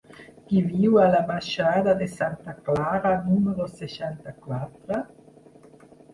Qui viu a la baixada de Santa Clara número seixanta-quatre?